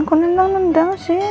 kok nendang nendang sih